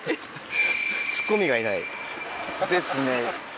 ツッコミがいない。ですね。